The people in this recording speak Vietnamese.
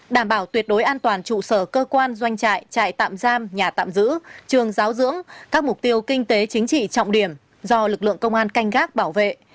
đảm bảo tuyệt đối an toàn trụ sở cơ quan doanh trại tạm giam nhà tạm giữ trường giáo dưỡng các mục tiêu kinh tế chính trị trọng điểm do lực lượng công an canh gác bảo vệ